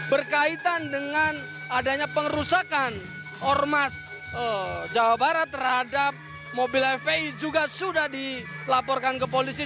berkaitan dengan adanya pengerusakan ormas jawa barat terhadap mobil fpi juga sudah dilaporkan ke polisi